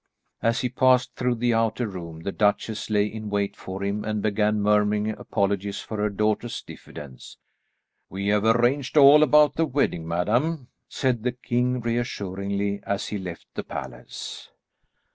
As he passed through the outer room the duchesse lay in wait for him and began murmuring apologies for her daughter's diffidence. "We have arranged all about the wedding, madam," said the king reassuringly as he left the palace.